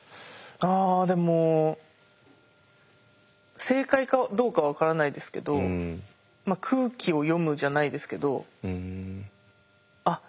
あでも正解かどうか分からないですけど空気を読むじゃないですけどあっ